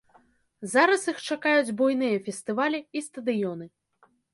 Зараз іх чакаюць буйныя фестывалі і стадыёны.